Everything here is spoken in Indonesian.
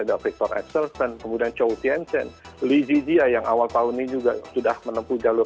ada victor axelsten kemudian chou tien chen lee zizia yang awal tahun ini juga sudah menempuh jalur